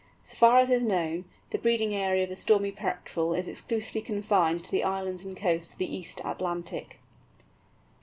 So far as is known, the breeding area of the Stormy Petrel is exclusively confined to the islands and coasts of the East Atlantic.